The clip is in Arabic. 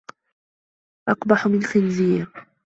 أقبح من خنزير